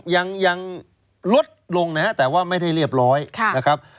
ยังยังลดลงนะฮะแต่ว่าไม่ได้เรียบร้อยนะครับ